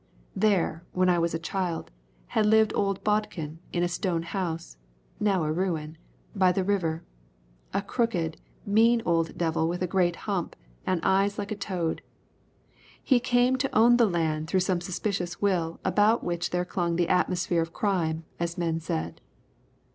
There, when I was a child, had lived old Bodkin in a stone house, now a ruin, by the river, a crooked, mean old devil with a great hump, and eyes like a toad. He came to own the land through some suspicious will about which there clung the atmosphere of crime, as men said.